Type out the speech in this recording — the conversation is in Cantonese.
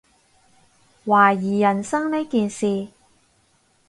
懷疑人生呢件事